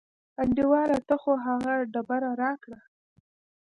انډیواله ته خو هغه ډبره راکړه.